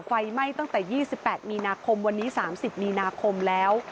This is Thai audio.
ไฟไหม้ตั้งแต่๒๘มีนาคมวันนี้๓๐มีนาคมแล้ว